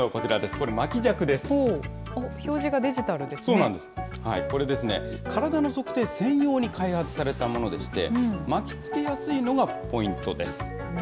これですね、体の測定専用に開発されたものでして、巻きつけやすいのがポイントです。